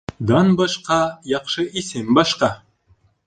Дан башҡа, яҡшы исем башҡа.